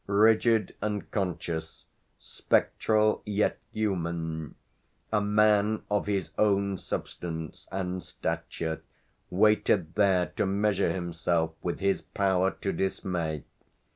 Rigid and conscious, spectral yet human, a man of his own substance and stature waited there to measure himself with his power to dismay.